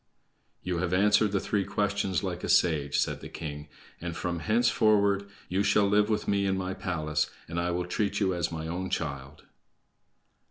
"You have answered the three questions like a sage," said the king, "and from henceforward you shall live with me in my palace, and I will treat you as my own child."